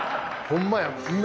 ホンマやん